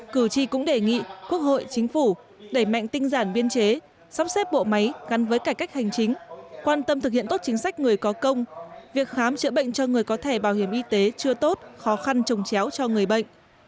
cử tri cũng đề nghị quốc hội chính phủ đẩy mạnh tinh giản biên chế sắp xếp bộ máy gắn với cải cách hành chính quan tâm thực hiện tốt chính sách người có công việc khám chữa bệnh cho người có thẻ bảo hiểm y tế chưa tốt khó khăn trồng chéo cho người bệnh